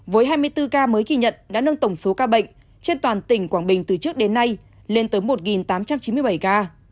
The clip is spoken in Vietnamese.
với hai mươi bốn ca mới ghi nhận đã nâng tổng số ca bệnh trên toàn tỉnh quảng bình từ trước đến nay lên tới một tám trăm chín mươi bảy ca